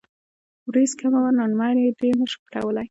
وريځ کمه وه نو نمر يې ډېر نۀ شو پټولے ـ